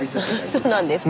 そうなんですか。